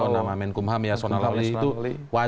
nama menkumham yasona loli